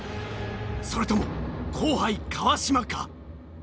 それとも後輩川島か？